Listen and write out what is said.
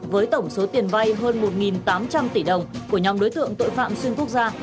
với tổng số tiền vay hơn một tám trăm linh tỷ đồng của nhóm đối tượng tội phạm xuyên quốc gia